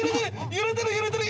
揺れてる揺れてる！